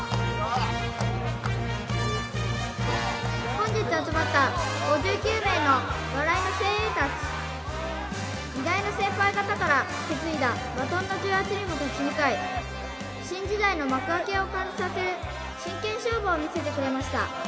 本日集まった５９名の笑いの精鋭達偉大な先輩方から受け継いだバトンの重圧にも立ち向かい新時代の幕開けを感じさせる真剣勝負を見せてくれました